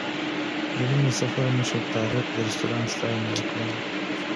زموږ د سفر مشر طارق د رسټورانټ ستاینه وکړه.